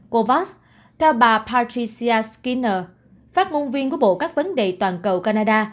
cô voss theo bà patricia skinner phát ngôn viên của bộ các vấn đề toàn cầu canada